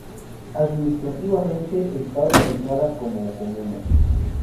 Administrativamente, está organizada como comuna.